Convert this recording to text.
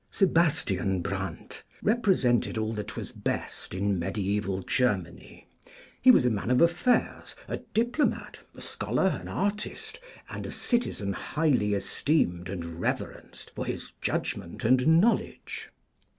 Sebastian Brandt represented all that was best in mediæval Germany. He was a man of affairs, a diplomat, a scholar, an artist, and a citizen highly esteemed and reverenced for his judgment and knowledge.